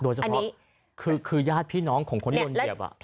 โดยเฉพาะคือญาติพี่น้องของคนที่โดนเหยียบ